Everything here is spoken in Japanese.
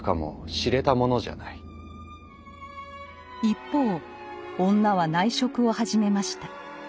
一方女は内職を始めました。